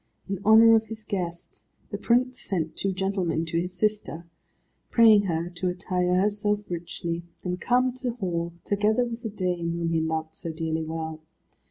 In honour of his guest, the prince sent two gentlemen to his sister, praying her to attire herself richly, and come to hall, together with the dame whom he loved so dearly well.